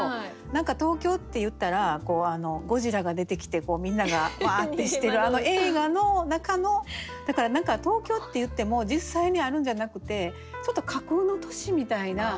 何か東京っていったらゴジラが出てきてみんなが「わあ！」ってしてるあの映画の中のだから何か東京っていっても実際にあるんじゃなくてちょっと架空の都市みたいな。